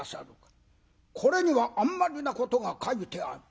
これにはあんまりなことが書いてある。